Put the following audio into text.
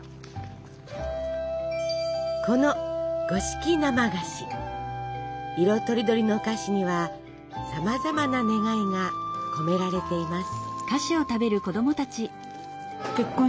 この色とりどりの菓子にはさまざまな願いが込められています。